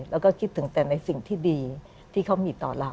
แล้วก็คิดถึงแต่ในสิ่งที่ดีที่เขามีต่อเรา